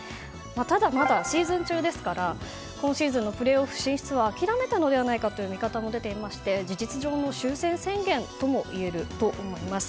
ただ、まだシーズン中ですから今シーズンのプレーオフ進出を諦めたのではないかという見方も出ていまして事実上の終戦宣言ともいえると思います。